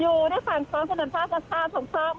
อยู่ในฝั่งสนุนภาคศาสตร์สมเคราะห์